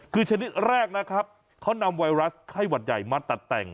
คือชนิดแรกนะครับเขานำไวรัสไข้หวัดใหญ่มาตัดแต่ง